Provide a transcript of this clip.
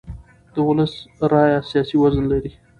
د ولس رایه سیاسي وزن لري